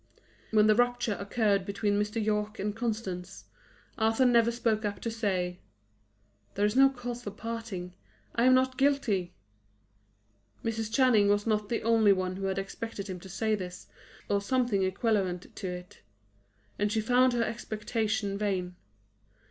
When the rupture occurred between Mr. Yorke and Constance, Arthur never spoke up to say: "There is no cause for parting; I am not guilty." Mrs. Channing was not the only one who had expected him to say this, or something equivalent to it; and she found her expectation vain.